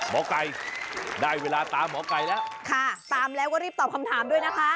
หมอไก่ได้เวลาตามหมอไก่แล้วค่ะตามแล้วก็รีบตอบคำถามด้วยนะคะ